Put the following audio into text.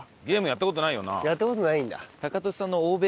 やった事ないんだ。